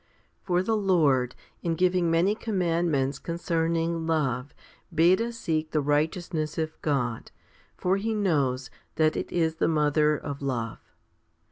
3. For the Lord, in giving many commandmentsconcerning love, bade us seek the righteousness of God* for He knows that it is the mother of love.